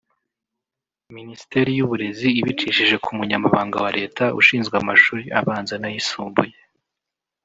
Minisiteri y’Uburezi ibicishije ku Munyamabanga wa Leta ushinzwe amashuri abanza n’ayisumbuye